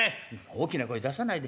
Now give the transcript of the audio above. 「大きな声出さないで。